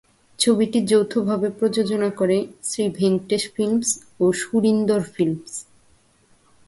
ছবিটি যৌথভাবে প্রযোজনা করে শ্রী ভেঙ্কটেশ ফিল্মস ও সুরিন্দর ফিল্মস।